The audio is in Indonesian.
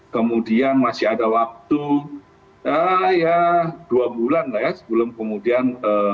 kemudian masih ada waktu ya dua bulan lah ya sebelum kemudian